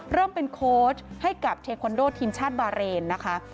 เริ่มเป็นโค้ชให้กับเทคอนโดทีมชาติบาเรนนะคะ